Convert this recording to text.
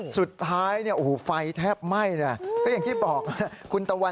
สุดท้ายอูหูววไฟแทบไหม้นะ